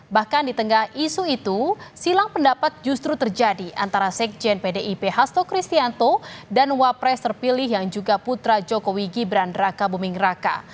bahkan di tengah isu itu silang pendapat justru terjadi antara sekjen pdip hasto kristianto dan wapres terpilih yang juga putra jokowi gibran raka buming raka